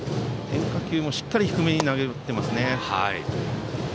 変化球もしっかり低めに投げています。